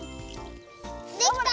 できた！